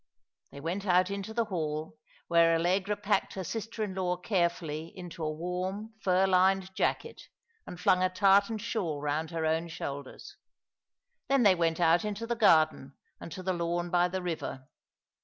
They went out into the hall, where Allegra packed her sisler in law carefully in a warm, fur lined jacket, and flung a tartan shawl round her own shoulders. Then they went out into the garden, and to the lawn by the river.